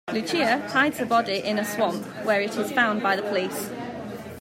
Lucia hides the body in a swamp, where it is found by the police.